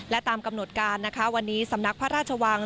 และตามกำหนดการนะคะวันนี้สำนักพระราชวัง